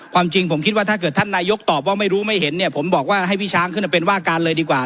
จริงผมคิดว่าถ้าเกิดท่านนายกตอบว่าไม่รู้ไม่เห็นเนี่ยผมบอกว่าให้พี่ช้างขึ้นมาเป็นว่าการเลยดีกว่า